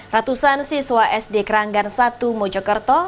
ratusan siswa sd keranggan satu mojokerto